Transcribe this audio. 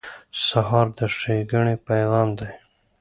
سهار د ښېګڼې پیغام دی.